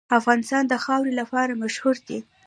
افغانستان د خاوره لپاره مشهور دی.